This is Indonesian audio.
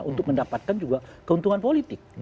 untuk mendapatkan juga keuntungan politik